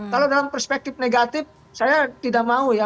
kalau dalam perspektif negatif saya tidak mau ya